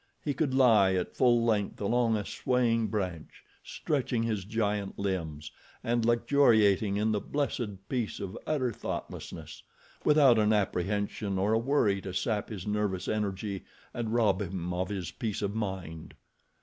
He could lie at full length along a swaying branch, stretching his giant limbs, and luxuriating in the blessed peace of utter thoughtlessness, without an apprehension or a worry to sap his nervous energy and rob him of his peace of mind.